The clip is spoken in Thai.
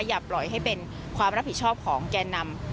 อย่าปล่อยให้เป็นความรับผิดชอบของแก่นำ